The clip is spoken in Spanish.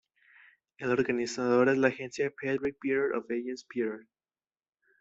El organizador es la agencia "Patrick Peter of Agence Peter".